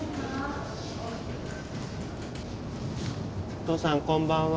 おとうさんこんばんは。